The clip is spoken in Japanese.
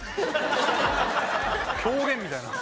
狂言みたいな。